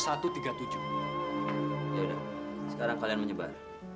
ya udah sekarang kalian menyebar